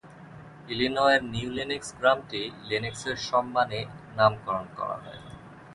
ইলিনয়ের New Lenox গ্রামটি লেনক্সের সম্মানে নামকরণ করা হয়।